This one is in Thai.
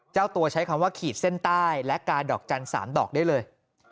เจ้าตัวใช้คำว่าขีดเส้นใต้และกาดอกจันทร์๓ดอกได้เลย